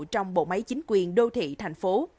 trong bộ máy chính quyền đô thị thành phố